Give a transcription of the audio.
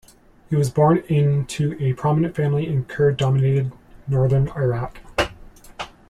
He was born into a prominent family in Kurd-dominated northern Iraq.